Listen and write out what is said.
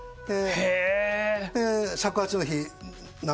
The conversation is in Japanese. へえ！